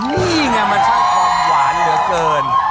นี่ไงมันชอบความหวานเหลือเกิน